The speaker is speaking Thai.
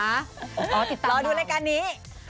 รอติดตามรอดูรายการนี้